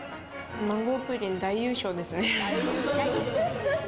マンゴープリン、大優勝ですね。